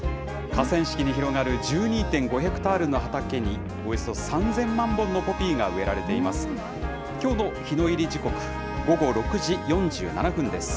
河川敷に広がる１２．５ヘクタールの畑に、およそ３０００万本のポピーが植えられています。